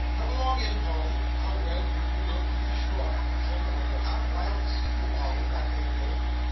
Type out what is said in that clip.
come along in Polly! How well you do look to be sure! The children will go half wild to see you Polly, that they will."